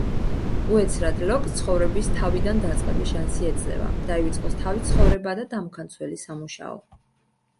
უეცრად ლოკს ცხოვრების თვიდან დაწყების შანსი ეძლევა, დაივიწყოს თავის ცხოვრება და დამქანცველი სამუშაო.